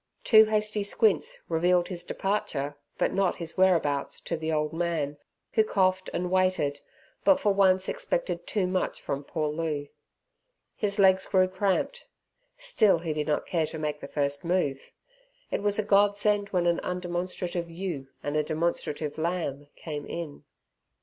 Two hasty squints revealed his departure, but not his whereabouts, to the old man, who coughed and waited, but for once expected too much from poor Loo. His legs grew cramped, still he did not care to make the first move. It was a godsend when an undemonstrative ewe and demonstrative lamb came in.